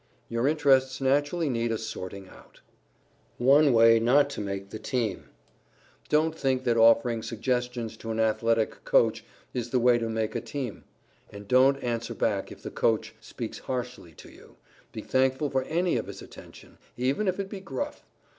Your interests naturally needed a sorting out. [Sidenote: ONE WAY NOT TO MAKE A TEAM] Don't think that offering suggestions to an athletic Coach is the way to make a team. And don't answer back if the Coach speaks harshly to you; be thankful for any of his attention, even if it be gruff.